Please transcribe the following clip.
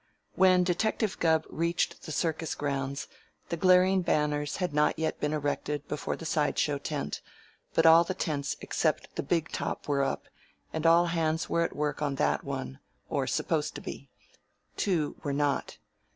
When Detective Gubb reached the circus grounds the glaring banners had not yet been erected before the side show tent, but all the tents except the "big top" were up and all hands were at work on that one, or supposed to be. Two were not.